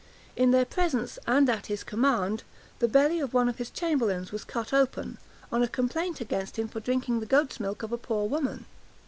65 In their presence, and at his command, the belly of one of his chamberlains was cut open, on a complaint against him for drinking the goat's milk of a poor woman.